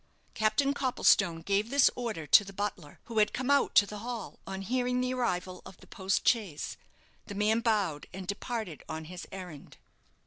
Captain Copplestone gave this order to the butler, who had come out to the hall on hearing the arrival of the post chaise. The man bowed, and departed on his errand.